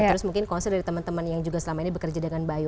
terus mungkin concern dari temen temen yang juga selama ini bekerja dengan bayu